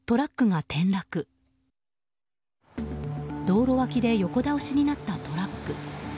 道路脇で横倒しになったトラック。